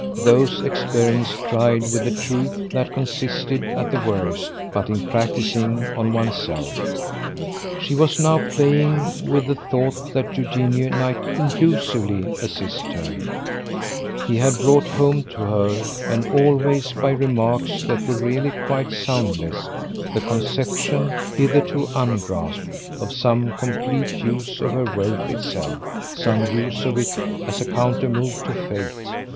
those experiments tried with the truth that consisted, at the worst, but in practising on one's self. She was now playing with the thought that Eugenio might INCLUSIVELY assist her: he had brought home to her, and always by remarks that were really quite soundless, the conception, hitherto ungrasped, of some complete use of her wealth itself, some use of it as a counter move to fate.